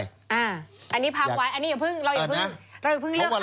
อันนี้พักไว้อันนี้อย่าเพิ่งเราอย่าเพิ่งเราอย่าเพิ่งเลือก